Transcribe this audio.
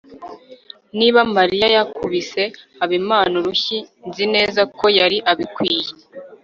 niba mariya yakubise habimana urushyi, nzi neza ko yari abikwiye